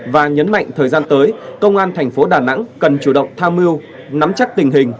và nhấn mạnh thời gian tới công an thành phố đà nẵng cần chủ động tham mưu nắm chắc tình hình